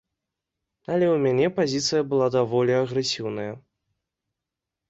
Але ў мяне пазіцыя была даволі агрэсіўная.